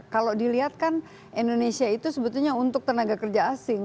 kalau dilihat kan indonesia itu sebetulnya untuk tenaga kerja asing